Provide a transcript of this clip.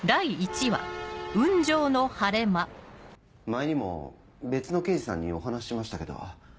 前にも別の刑事さんにお話ししましたけど。